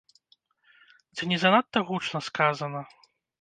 Ці не занадта гучна сказана?